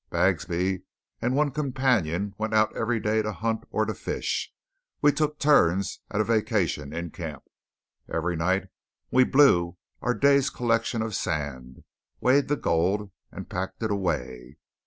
Bagsby and one companion went out every day to hunt or to fish. We took turns at a vacation in camp. Every night we "blew" our day's collection of sand, weighed the gold, and packed it away.